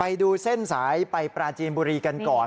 ไปดูเส้นสายไปปราจีนบุรีกันก่อน